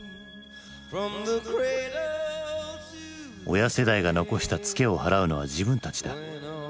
親世代が残したツケを払うのは自分たちだ。